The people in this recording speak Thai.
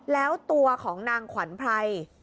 แล้วตัวของนางขวัญไพร